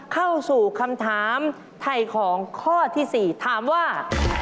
เข้าสู่คำถามไถ่ของข้อที่๔ถามว่า